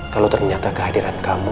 kalau ternyata kehadiran kamu